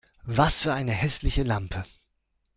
Was für eine hässliche Lampe!